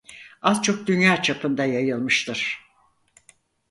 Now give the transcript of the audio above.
Az çok Dünya çapında yayılmıştır.